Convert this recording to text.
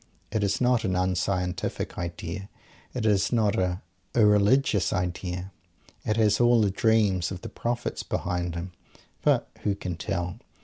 It is not an unscientific idea. It is not an irreligious idea. It has all the dreams of the Prophets behind it. But who can tell?